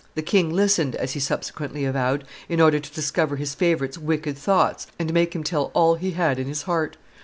The king listened, as he subsequently avowed, in order to discover his favorite's wicked thoughts and make him tell all he had in his heart.